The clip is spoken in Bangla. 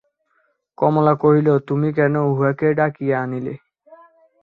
কমলা কহিল, তুমি কেন উঁহাকে ডাকিয়া আনিলে?